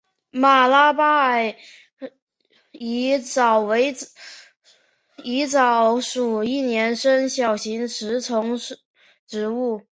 马拉巴尔狸藻为狸藻属一年生小型食虫植物。